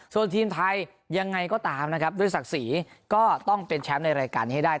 ส่วนทีมไทยยังไงก็ตามนะครับด้วยศักดิ์ศรีก็ต้องเป็นแชมป์ในรายการนี้ให้ได้